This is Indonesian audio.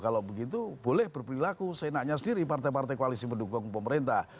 kalau begitu boleh berperilaku seenaknya sendiri partai partai koalisi mendukung pemerintah